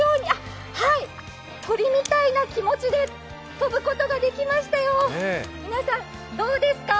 はい、鳥みたいな気持ちで飛ぶことができましたよ。